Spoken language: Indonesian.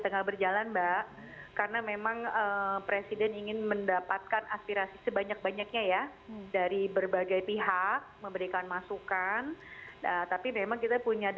terima kasih atas waktunya